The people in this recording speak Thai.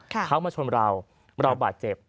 เขามาชนเราเราบาดเจ็บ